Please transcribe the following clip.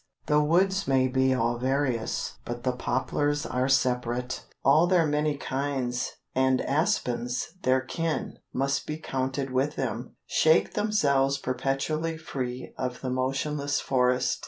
The woods may be all various, but the poplars are separate. All their many kinds (and aspens, their kin, must be counted with them) shake themselves perpetually free of the motionless forest.